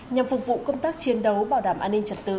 nhằm phục vụ công tác chiến đấu bảo đảm an ninh trật tự